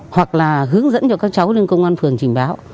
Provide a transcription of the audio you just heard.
hoặc là hướng dẫn cho các cháu lên công an phường trình báo